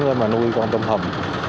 để nuôi con tôm hùm